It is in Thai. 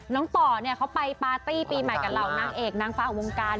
น้องต่อเขาไปปาร์ตี้ปีใหม่กับเรานางเอกนางฟ้าอวงการ